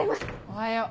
おはよう。